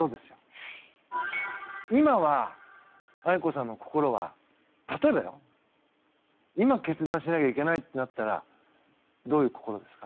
今はあいこさんの心は例えばよ今決断しなきゃいけないってなったらどういう心ですか？